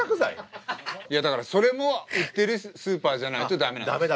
だからそれも売ってるスーパーじゃないと駄目なんすよ。